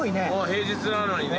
平日なのにね。